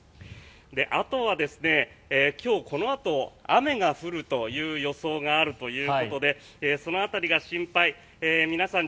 あとは今日、このあと雨が降るという予想があるということでその辺りが心配皆さん